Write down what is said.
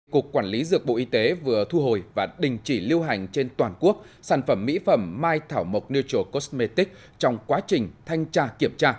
cục quản lý dược bộ y tế vừa thu hồi và đình chỉ lưu hành trên toàn quốc sản phẩm mỹ phẩm mai thảo mộc neutral cosmetic trong quá trình thanh tra kiểm tra